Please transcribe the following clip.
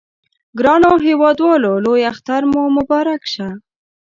ګرانو هیوادوالو لوی اختر مو مبارک شه!